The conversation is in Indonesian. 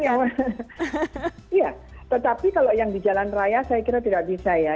iya tetapi kalau yang di jalan raya saya kira tidak bisa ya